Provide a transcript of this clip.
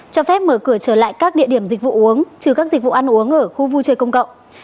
cho phép mở cửa trở lại các địa điểm dịch vụ uống trừ các dịch vụ ăn uống ở khu vui chơi công cộng